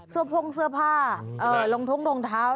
เสื้อโพงเสื้อผ้าลองท้องรองเท้า